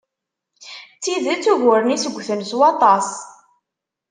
D tidet, uguren-is ggten s waṭṭas.